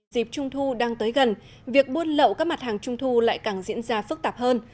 dịp trung thu đang tới gần việc buôn lậu các mặt hàng trung thu lại càng diễn ra phức tạp hơn